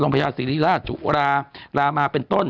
โรงพยาบาลศิริราชจุฬารามาเป็นต้น